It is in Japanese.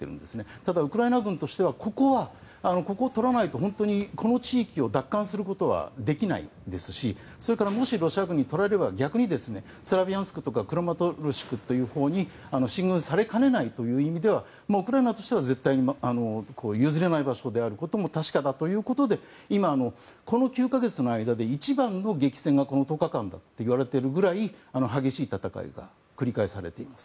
ただ、ウクライナ軍としてはここを取らないと本当に、この地域を奪還することはできないですしそれから、逆にロシア軍に逆にスロビャンスクとかクラマトルスクという方向に進軍されかねないという意味ではウクライナとしては譲れない場所であることが確かだということで今、この９か月の間で一番の激戦がこの１０日間だといわれているくらい激しい戦いが繰り返されています。